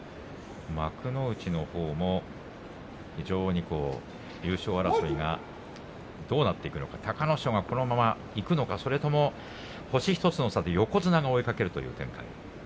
幕内のほうも、非常に優勝争いがどうなっていくのか隆の勝がこのままいくのかそれとも星１つの差で横綱が追いかけるという展開。